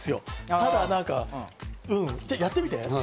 ただ、やってみて？